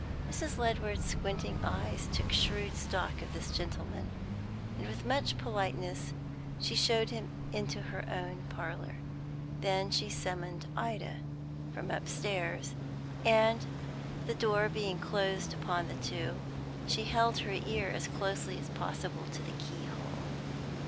Mrs. Ledward's squinting eyes took shrewd stock of this gentleman, and, with much politeness, she showed him into her own parlour. Then she summoned Ida from upstairs, and, the door being closed upon the two, she held her ear as closely as possible to the keyhole.